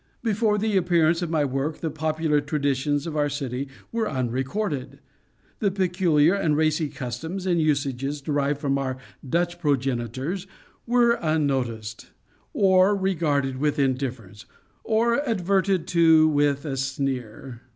Before the appearance of my work the popular traditions of our city were unrecorded; the peculiar and racy customs and usages derived from our Dutch progenitors were unnoticed, or regarded with indifference, or adverted to with a sneer.